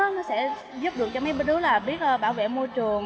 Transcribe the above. nó sẽ giúp được cho mấy đứa là biết bảo vệ môi trường